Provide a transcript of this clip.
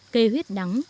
cây huyết nắng